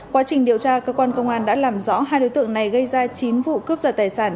quá trình điều tra cơ quan công an đã làm rõ hai đối tượng này gây ra chín vụ cướp giật tài sản